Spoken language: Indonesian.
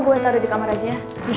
gue taruh di kamar aja